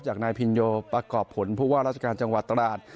จากนายพิงโยคประกอบผลพูดว่ารัชการจังหวัดตราส